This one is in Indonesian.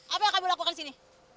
apa yang kamu lakukan di sini